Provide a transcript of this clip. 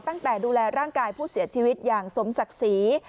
ดูแลร่างกายผู้เสียชีวิตอย่างสมศักดิ์ศรี